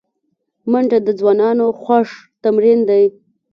منډه د ځوانانو خوښ تمرین دی